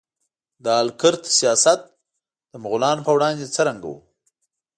د آل کرت سیاست د مغولانو په وړاندې څرنګه و؟